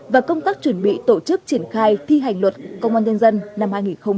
và công tác chuẩn bị tổ chức triển khai thi hành luật công an nhân dân năm hai nghìn hai mươi ba